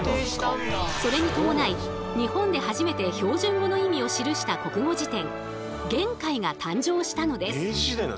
それに伴い日本で初めて標準語の意味を記した国語辞典「言海」が誕生したのです。